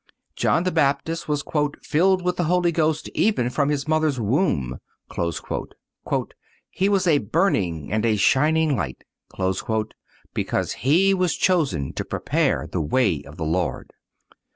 John the Baptist was "filled with the Holy Ghost even from his mother's womb."(215) "He was a burning and a shining light"(216) because he was chosen to prepare the way of the Lord.